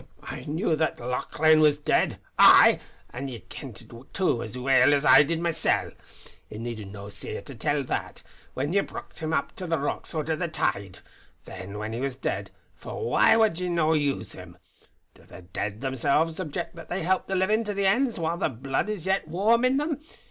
I knew that Lauchlane was dead! Aye! and ye kent it too as weel as I did masel'. It needed no Seer to tell that, when ye brocht him up the rocks oot o' the tide. Then, when he was dead, for why wad ye no use him? Do the Dead themselves object that they help the livin' to their ends while the blood is yet warm in them?